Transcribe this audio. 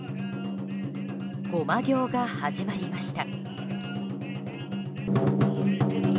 護摩行が始まりました。